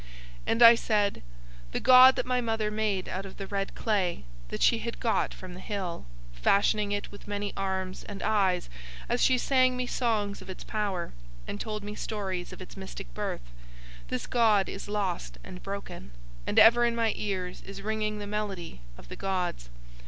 "'And I said: "'The god that my mother made out of the red clay that she had got from the hill, fashioning it with many arms and eyes as she sang me songs of its power, and told me stories of its mystic birth, this god is lost and broken; and ever in my ears is ringing the melody of the gods."